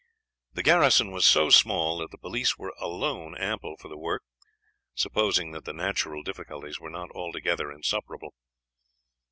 The garrison was so small that the police were alone ample for the work, supposing that the natural difficulties were not altogether insuperable.